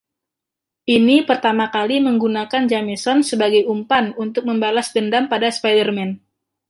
Ia pertama kali menggunakan Jameson sebagai umpan untuk membalas dendam pada Spider-Man.